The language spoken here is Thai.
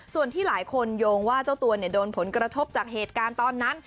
ส่วนที่หลายคนโยงว่าเจ้าตัวโดนผลกระทบจากเหตุการณ์ตอนนั้น